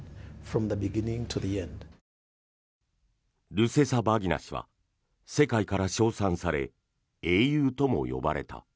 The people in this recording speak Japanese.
ルセサバギナ氏は世界から称賛され英雄とも呼ばれた。